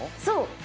そう。